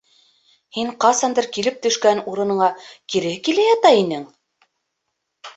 Һин ҡасандыр килеп төшкән урыныңа кире килә ята инең?